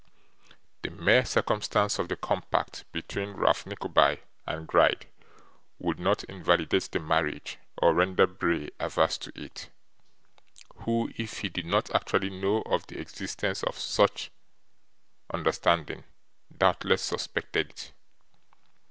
The mere circumstance of the compact between Ralph Nickleby and Gride would not invalidate the marriage, or render Bray averse to it, who, if he did not actually know of the existence of some such understanding, doubtless suspected it.